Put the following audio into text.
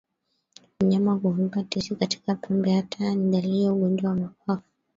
Mnyama kuvimba tezi katika pembe ya taya ni dalili ya ugonjwa wa mapafu